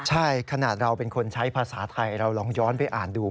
ใช่ขนาดเราเป็นคนใช้ภาษาไทยเราลองย้อนไปอ่านดู